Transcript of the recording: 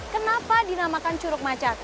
kenapa dinamakan curug macan